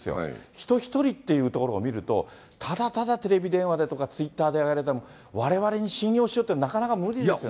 人一人っていうところを見ると、ただただテレビ電話でとか、ツイッターでやられても、われわれに信用しろってなかなか無理ですよね。